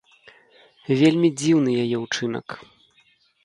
Вельмі дзіўны яе ўчынак.